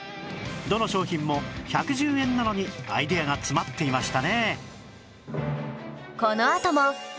どの商品も１１０円なのにアイデアが詰まっていましたね